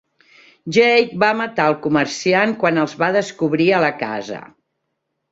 Jake va matar el comerciant quan els va descobrir a la casa.